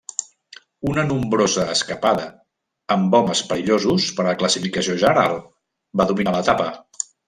Una nombrosa escapada, amb homes perillosos per a la classificació general va dominar l'etapa.